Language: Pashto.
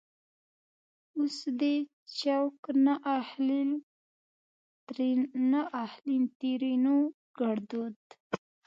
اوس دې چوک نه اخليں؛ ترينو ګړدود